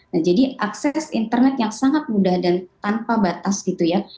nah jadi akses internet yang sangat mudah dan tanpa batas gitu ya